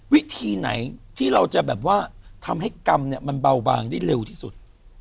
วิธีไหนที่เราจะแบบว่าทำให้กรรมเนี่ยมันเบาบางได้เร็วที่สุด